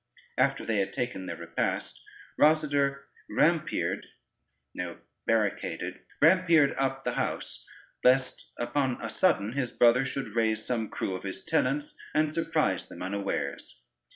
After they had taken their repast, Rosader rampired up the house, lest upon a sudden his brother should raise some crew of his tenants, and surprise them unawares.